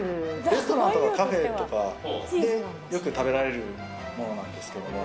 レストランとかカフェとかでよく食べられるものなんですけれども。